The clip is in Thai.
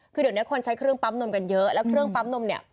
คือเดี๋ยวนี้คนใช้เครื่องปั๊มนมกันเยอะแล้วเครื่องปั๊มนมเนี่ย